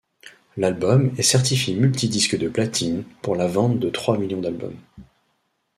L'album est certifié multi-disque de platine pour la vente de trois millions d'albums.